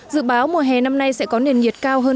dự báo mùa hè năm nay sẽ có nền nhiệt cao hơn